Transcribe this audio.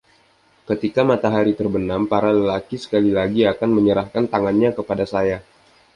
Ketika matahari terbenam, para lelaki sekali lagi akan menyerahkan tangannya kepada saya.